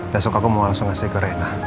besok aku mau langsung ngasih ke rena